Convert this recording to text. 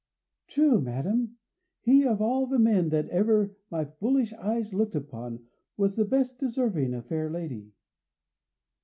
"True, madam. He, of all the men that ever my foolish eyes looked upon, was the best deserving a fair lady."